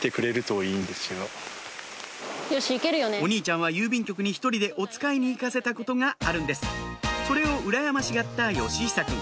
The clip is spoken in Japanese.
お兄ちゃんは郵便局に１人でおつかいに行かせたことがあるんですそれをうらやましがった義久くん